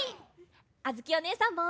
あづきおねえさんも！